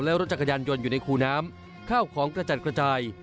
และรถจักรยานยนต์อยู่ในคูน้ำข้าวของกระจัดกระจาย